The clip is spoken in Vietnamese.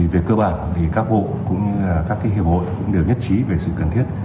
về cơ bản thì các bộ cũng như các hiệp hội cũng đều nhất trí về sự cần thiết